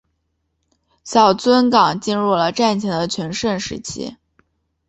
小樽港进入了战前的全盛时期。